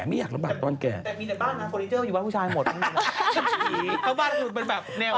แต่มีแบบบ้านแบบหูชายมาใช่ไหม